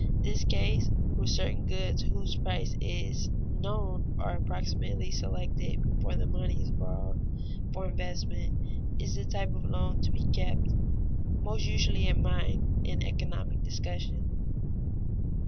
This case, where certain goods whose price is known are approximately selected before the money is borrowed for investment, is the type of loan to be kept most usually in mind in economic discussion.